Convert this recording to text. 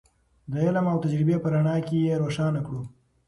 د علم او تجربې په رڼا کې یې روښانه کړو.